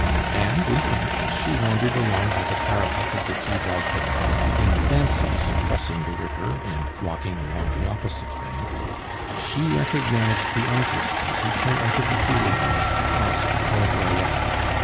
And, in fact, as she wandered along by the parapet of the Quai Voltaire, in fancy suppressing the river and walking along the opposite bank, she recognized the artist as he came out of the Tuileries to cross the Pont Royal.